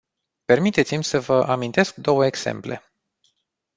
Permiteți-mi să vă amintesc două exemple.